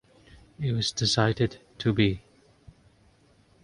It was decided to be.